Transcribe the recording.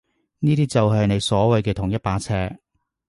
呢啲就係你所謂嘅同一把尺？